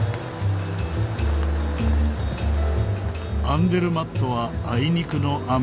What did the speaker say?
アンデルマットはあいにくの雨。